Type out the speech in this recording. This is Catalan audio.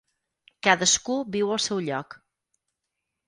Cadascú viu al seu lloc.